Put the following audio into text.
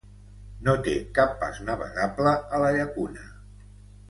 No té cap pas navegable a la llacuna.